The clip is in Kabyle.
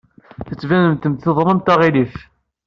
Tettbanemt-d tuḍnemt aɣilif.